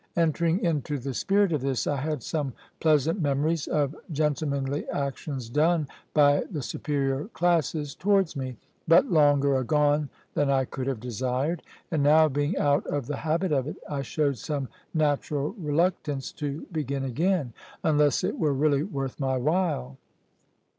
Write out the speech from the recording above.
Entering into the spirit of this, I had some pleasant memories of gentlemanly actions done by the superior classes towards me, but longer agone than I could have desired. And now being out of the habit of it, I showed some natural reluctance to begin again, unless it were really worth my while.